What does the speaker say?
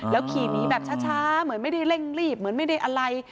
ขี่หนีแบบช้าเหมือนไม่ได้เร่งรีบเหมือนไม่ได้อะไร